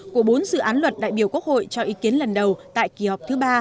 của bốn dự án luật đại biểu quốc hội cho ý kiến lần đầu tại kỳ họp thứ ba